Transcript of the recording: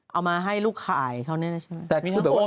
เอามาให้ลูกขายเขาเลยนะใช่ไหม